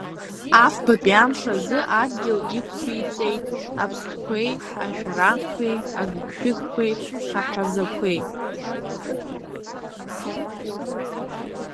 Афбатәи амш азы Адгьыл иқәиҵеит аԥстәқәеи, ашәарахқәеи, агыгшәыгқәеи, аҳәазақәеи…